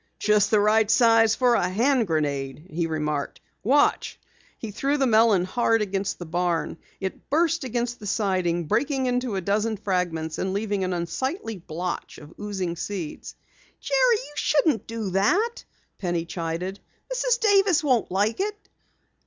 "Just the right size for a hand grenade," he remarked. "Watch!" He threw the melon hard against the barn. It burst against the siding, breaking into a dozen fragments and leaving an unsightly blotch of oozing seeds. "Jerry, you shouldn't do that," Penny chided. "Mrs. Davis won't like it."